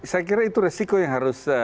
saya kira itu resiko yang harus